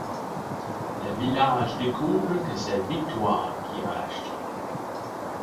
Le village découvre que c'est Victoire qui a racheté.